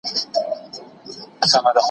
کاردستي د ماشوم د هنر یوه مهمه برخه ده.